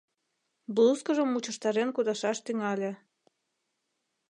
Блузкыжым мучыштарен, кудашаш тӱҥале.